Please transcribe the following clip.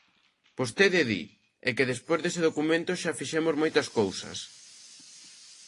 Vostede di: é que despois dese documento xa fixemos moitas cousas.